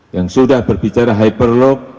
yang sudah berbicara hyperloop